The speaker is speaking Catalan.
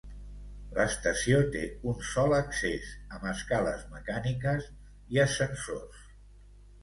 L'estació té un sol accés amb escales mecàniques i ascensors.